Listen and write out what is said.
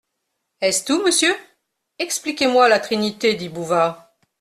Est-ce tout, monsieur ? Expliquez-moi la Trinité dit Bouvard.